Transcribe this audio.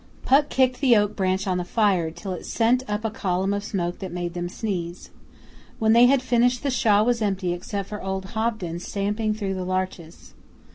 Puck kicked the oak branch on the fire, till it sent up a column of smoke that made them sneeze. When they had finished the Shaw was empty except for old Hobden stamping through the larches.